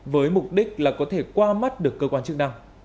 với mục đích là có thể qua mắt được cơ quan chức năng